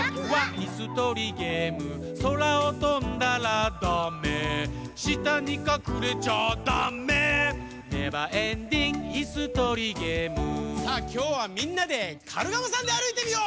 いすとりゲーム」「そらをとんだらダメ」「したにかくれちゃダメ」「ネバーエンディングいすとりゲーム」さあきょうはみんなでカルガモさんであるいてみよう。